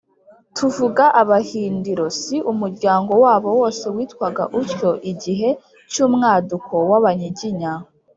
tuvuga abahindiro; si umuryango wabo wose witwaga utyo, igihe cy’umwaduko w’abanyiginya,